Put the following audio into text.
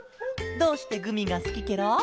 どうしてグミがすきケロ？